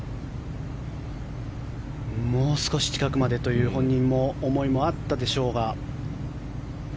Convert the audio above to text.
もう少し近くまでという思いも本人はあったでしょうが。